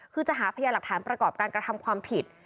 คือจะหาพยาหลักฐานประกอบการกระทำความผิด